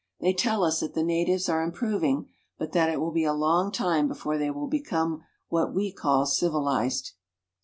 They tell us that the natives are improving, but that it will be a long time before they will become what we call civilized.